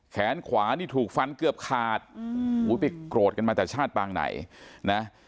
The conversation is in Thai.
แขนขวานี่ถูกฟันเกือบขาดไปโกรธกันมาแต่ชาติปางไหนนะ